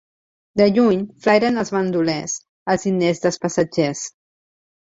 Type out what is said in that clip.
De lluny flairen els bandolers els diners dels passatgers.